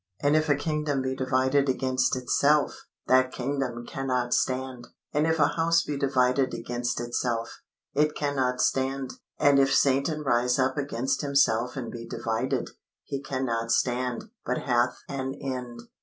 And if a kingdom be divided against itself, that kingdom cannot stand. And if a house be divided against itself, it cannot stand. And if Satan rise up against himself and be divided, he cannot stand, but hath an end.